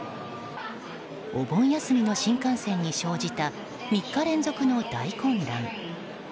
お盆休みの新幹線に生じた３日連続の大混乱。